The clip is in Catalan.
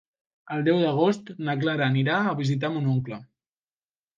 El deu d'agost na Clara anirà a visitar mon oncle.